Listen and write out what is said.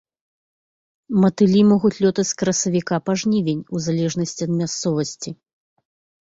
Матылі могуць лётаць з красавіка па жнівень, у залежнасці ад мясцовасці.